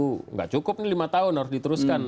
tidak cukup ini lima tahun harus diteruskan